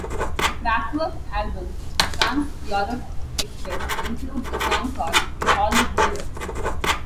The Kraftwerk album "Trans-Europe Express" includes a song called "The Hall of Mirrors".